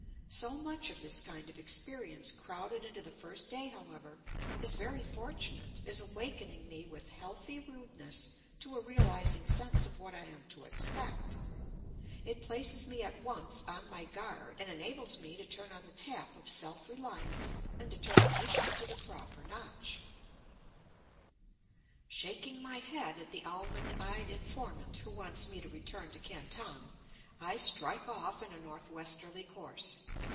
So much of this kind of experience crowded into the first day, however, is very fortunate, as awakening me with healthy rudeness to a realizing sense of what I am to expect; it places me at once on my guard, and enables me to turn on the tap of self reliance and determination to the proper notch. Shaking my head at the almond eyed informant who wants me to return to Canton, I strike off in a northwesterly course.